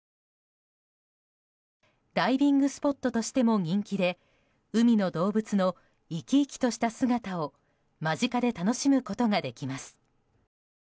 ダイビングスポットとしても人気で、海の動物の生き生きとした姿を間近で楽しむことができます。